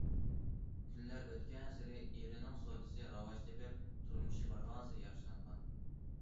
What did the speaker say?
كۈنلەر ئۆتكەنسېرى ئېرىنىڭ سودىسى راۋاج تېپىپ، تۇرمۇشى بارغانسېرى ياخشىلانغان.